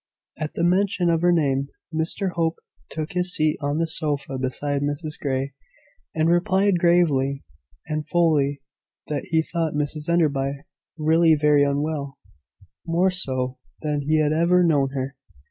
At the mention of her name Mr Hope took his seat on the sofa beside Mrs Grey, and replied gravely and fully that he thought Mrs Enderby really very unwell more so than he had ever known her.